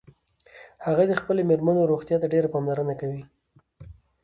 هغه د خپلې میرمنیروغتیا ته ډیره پاملرنه کوي